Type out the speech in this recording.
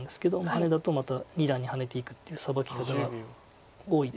ハネだとまた二段にハネていくっていうサバキ方が多いです。